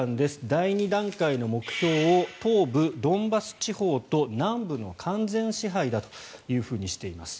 第２段階の目標を東部ドンバス地方と南部の完全支配だとしています。